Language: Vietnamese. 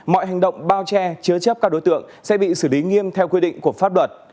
mọi hành động bao che chứa chấp các đối tượng sẽ bị xử lý nghiêm theo quy định của pháp luật